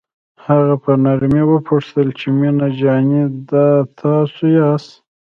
هغه په نرمۍ وپوښتل چې مينه جانې دا تاسو یاست.